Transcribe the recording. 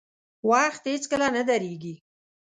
• وخت هیڅکله نه درېږي.